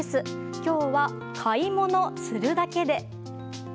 今日は買い物するだけで。